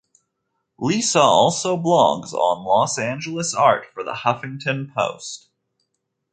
Lisa also blogs on Los Angeles art for the Huffington Post.